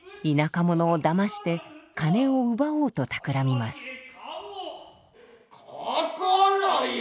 田舎者をだまして金を奪おうとたくらみます。